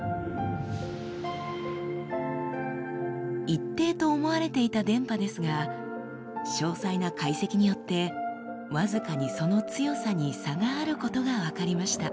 一定と思われていた電波ですが詳細な解析によって僅かにその強さに差があることが分かりました。